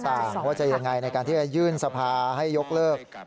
ว่าจะยังไงในการที่จะยื่นสภาให้ยกเลิก